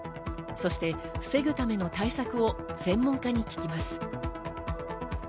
そして防ぐための対策を専門家に聞きます。